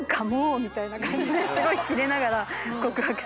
みたいな感じですごいキレながら告白しました。